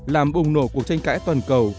làm bùng nổ cuộc tranh cãi toàn cầu